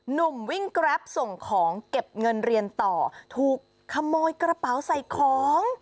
หนุ่มวิ่งแกรปส่งของเก็บเงินเรียนต่อถูกขโมยกระเป๋าใส่ของ